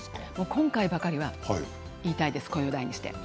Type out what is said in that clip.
今回ばかりは言いたいです、声を大にして。